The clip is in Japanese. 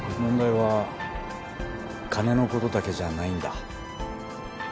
問題は金のことだけじゃないんだ。